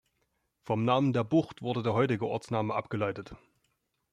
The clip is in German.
Vom Namen der Bucht wurde der heutige Ortsname abgeleitet.